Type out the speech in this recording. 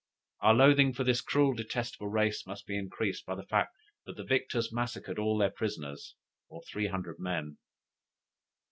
Our loathing for this cruel, detestable race, must be increased by the fact, that the victors massacred all their prisoners or three hundred men!